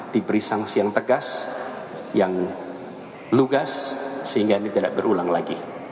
diberi sanksi yang tegas yang lugas sehingga ini tidak berulang lagi